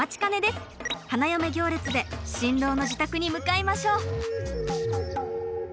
花嫁行列で新郎の自宅に向かいましょう！